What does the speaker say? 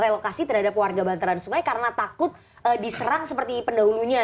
relokasi terhadap warga bantaran sungai karena takut diserang seperti pendahulunya